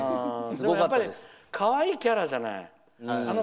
やっぱりかわいいキャラじゃない。